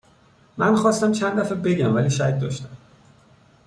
من خواستم چند دفعه بگم ولی شک داشتم